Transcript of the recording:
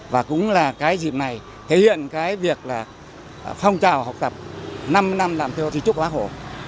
và cũng là cái dịp này thể hiện cái việc là phong trào học tập năm năm làm theo trí trúc hóa khổ